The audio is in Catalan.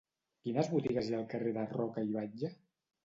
Quines botigues hi ha al carrer de Roca i Batlle?